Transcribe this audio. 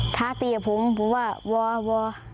ท้าตีกับผมผมว่าวอ